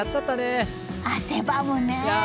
汗ばむね。